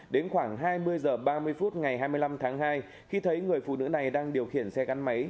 đến khoảng hai mươi h ba mươi phút ngày hai mươi năm tháng hai khi thấy người phụ nữ này đang điều khiển xe gắn máy